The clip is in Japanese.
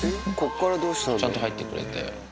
ちゃんと入ってくれて。